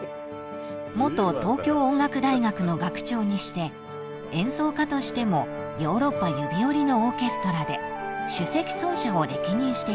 ［元東京音楽大学の学長にして演奏家としてもヨーロッパ指折りのオーケストラで首席奏者を歴任してきた